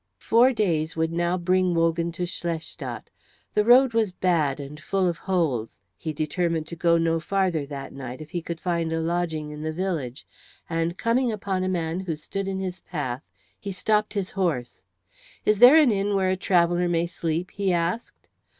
Four days would now bring Wogan to Schlestadt. The road was bad and full of holes. He determined to go no farther that night if he could find a lodging in the village, and coming upon a man who stood in his path he stopped his horse. "Is there an inn where a traveller may sleep?" he asked.